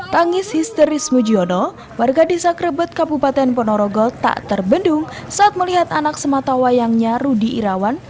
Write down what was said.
tangis histeris mujiono warga desa krebet kabupaten ponorogo tak terbendung saat melihat anak sematawayangnya rudy irawan